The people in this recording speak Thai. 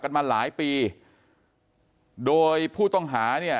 กลุ่มตัวเชียงใหม่